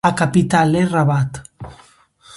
A capital é Rabat.